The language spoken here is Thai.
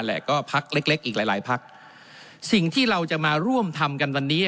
และก็พักเล็กเล็กอีกหลายหลายพักสิ่งที่เราจะมาร่วมทำกันวันนี้